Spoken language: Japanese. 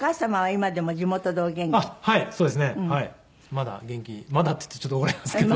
まだ元気まだって言うとちょっと怒られますけど。